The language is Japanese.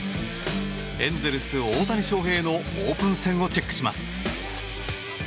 エンゼルス、大谷翔平のオープン戦をチェックします。